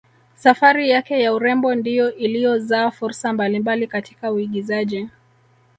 Safari yake ya urembo ndiyo iliyozaa fursa mbali mbali katika uigizaji